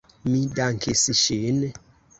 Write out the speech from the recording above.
Mi dankis ŝin.